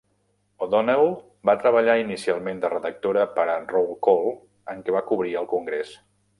O'Donnell va treballar inicialment de redactora per a "Roll Call", en què va cobrir el Congrés.